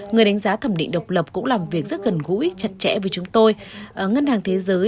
người đánh giá thẩm định độc lập cũng làm việc rất gần gũi chặt chẽ với chúng tôi